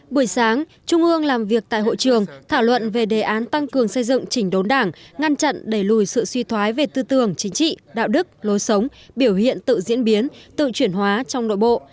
buổi sáng trung ương làm việc tại hội trường thảo luận về đề án tăng cường xây dựng chỉnh đốn đảng ngăn chặn đẩy lùi sự suy thoái về tư tưởng chính trị đạo đức lối sống biểu hiện tự diễn biến tự chuyển hóa trong nội bộ